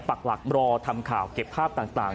ปักหลักรอทำข่าวเก็บภาพต่าง